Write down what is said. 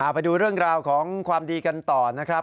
ไปดูเรื่องราวของความดีกันต่อนะครับ